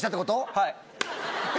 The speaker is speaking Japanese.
はい。